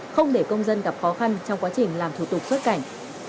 không để công dân gặp khó khăn trong quá trình làm thủ tục xuất cảnh